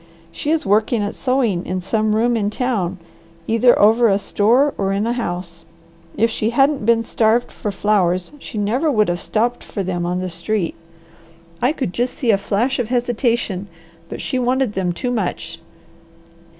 She is working at sewing in some room in town, either over a store or in a house. If she hadn't been starved for flowers she never would have stopped for them on the street. I could see just a flash of hesitation, but she wanted them too much.